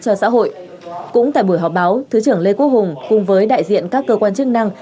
cho xã hội cũng tại buổi họp báo thứ trưởng lê quốc hùng cùng với đại diện các cơ quan chức năng